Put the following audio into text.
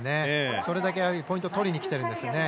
それほどポイント取りにきているんですよね。